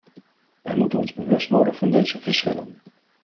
Wij moeten ons bewust worden van deze verschillen.